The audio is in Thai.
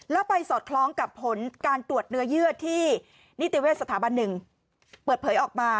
แล้วไปสอดคล้องกับผลการตรวจเนื้อเยื่อที่นิติเวชสถาบันหนึ่งเปิดเผยออกมา